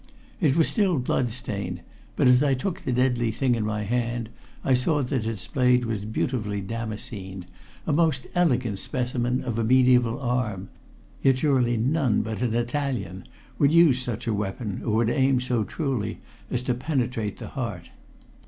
It was still blood stained, but as I took the deadly thing in my hand I saw that its blade was beautifully damascened, a most elegant specimen of a medieval arm. Yet surely none but an Italian would use such a weapon, or would aim so truly as to penetrate the heart.